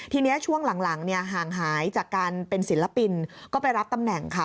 ทีนี้ช่วงหลังเนี่ยห่างหายจากการเป็นศิลปินก็ไปรับตำแหน่งค่ะ